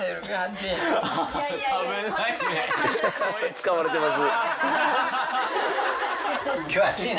使われてます。